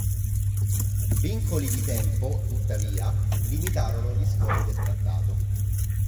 Vincoli di tempo, tuttavia, limitarono gli scopi del trattato.